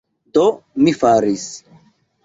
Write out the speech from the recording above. Do, mi faris.